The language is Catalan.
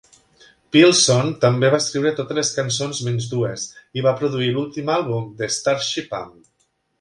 Pilson també va escriure totes les cançons menys dues i va produir l'últim àlbum de Starship amb